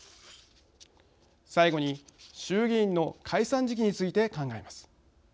最後に衆議院の解散時期について考えます。